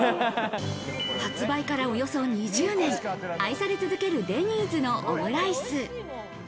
発売からおよそ２０年愛され続けるデニーズのオムライス。